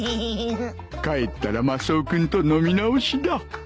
帰ったらマスオ君と飲み直しだ